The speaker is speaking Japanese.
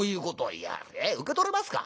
受け取れますか？